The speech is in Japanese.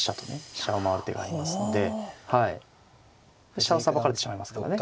飛車をさばかれてしまいますからね。